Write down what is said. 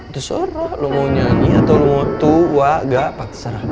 tuh sara lo mau nyanyi atau lo mau tua gak pak terserah